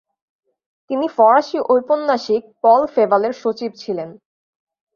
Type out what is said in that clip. তিনি ফরাসী ঔপন্যাসিক পল ফেভালের সচিব ছিলেন।